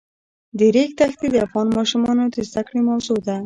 د ریګ دښتې د افغان ماشومانو د زده کړې موضوع ده.